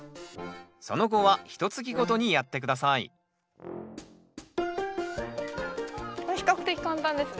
その後はひとつきごとにやって下さいこれ比較的簡単ですね。